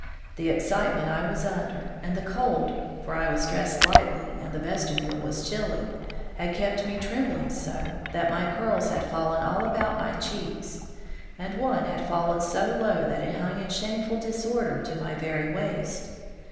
The excitement I was under and the cold for I was dressed lightly and the vestibule was chilly had kept me trembling so, that my curls had fallen all about my cheeks, and one had fallen so low that it hung in shameful disorder to my very waist.